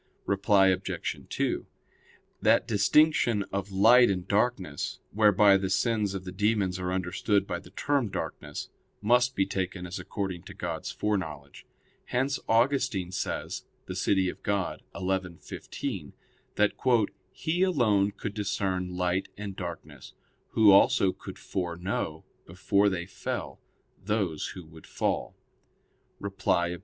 Reply Obj. 2: That distinction of light and darkness, whereby the sins of the demons are understood by the term darkness, must be taken as according to God's foreknowledge. Hence Augustine says (De Civ. Dei xi, 15), that "He alone could discern light and darkness, Who also could foreknow, before they fell, those who would fall." Reply Obj.